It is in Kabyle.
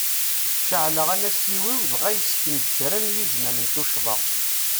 Ceɛleɣ anasiw-iw dɣa yesken-d kra n yiznan n tuccḍa.